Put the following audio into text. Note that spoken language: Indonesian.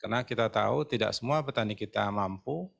karena kita tahu tidak semua petani kita mampu